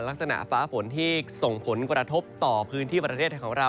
ลักษณะฟ้าฝนที่ส่งผลกระทบต่อพื้นที่ประเทศไทยของเรา